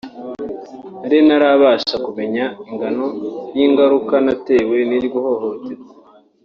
nari ntarabasha kumenya ingano y’ingaruka natewe n’iryo hohoterwa